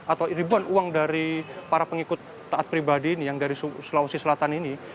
atau ribuan uang dari para pengikut taat pribadi ini yang dari sulawesi selatan ini